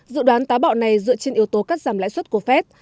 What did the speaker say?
dự đoán tá bạo này dựa trên yếu tố cắt giảm lãi suất của phép